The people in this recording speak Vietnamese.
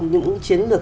những chiến lược